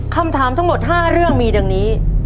คำถามทั้งหมด๕เรื่องมีดังนี้